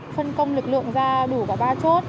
phân công lực lượng ra đủ cả ba chốt